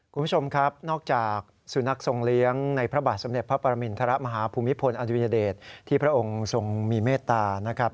คุณผู้ชมครับนอกจากสุนัขทรงเลี้ยงในพระบาทสมเด็จพระปรมินทรมาฮภูมิพลอดุญเดชที่พระองค์ทรงมีเมตตานะครับ